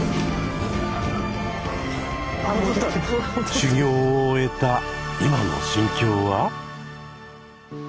修行を終えた今の心境は？